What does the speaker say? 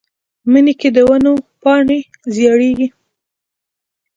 مني کې د ونو پاڼې ژیړیږي